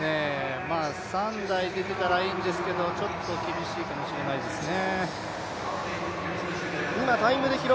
３台出てたらいいんですけどちょっと厳しいかもしれないですね。